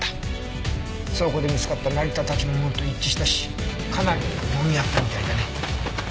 倉庫で見つかった成田たちのものと一致したしかなり揉み合ったみたいだね。